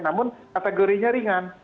namun kategorinya ringan